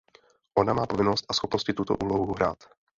Ona má povinnost a schopnosti tuto úlohu hrát.